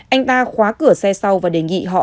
anh ta khóa cửa xe sau và đề nghị họ